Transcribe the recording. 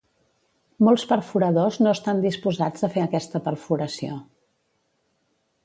Molts perforadors no estan disposats a fer aquesta perforació.